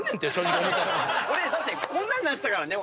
俺だってこんなんなってたからね。